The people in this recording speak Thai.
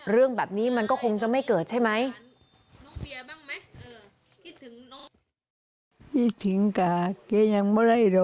เรื่องแบบนี้มันก็คงจะไม่เกิดใช่ไหม